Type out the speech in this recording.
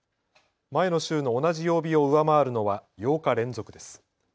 前の週の同じ曜日を上回るのは８日連続です。